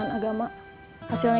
neneng mau daftar ke pengadilan agama